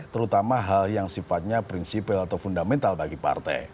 terutama hal yang sifatnya prinsipil atau fundamental bagi partai